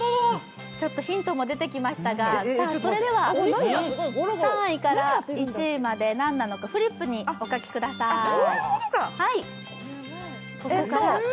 ちょっとヒントも出てきましたが、３位から１位まで何なのかフリップにお書きください。